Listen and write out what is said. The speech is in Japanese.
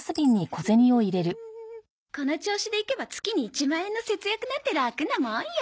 この調子でいけば月に１万円の節約なんてラクなもんよ。